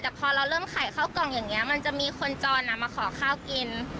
แต่พอเราเริ่มขายข้าวกล่องอย่างนี้มันจะมีคนจรมาขอข้าวกิน